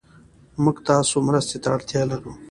موږ تاسو مرستې ته اړتيا لرو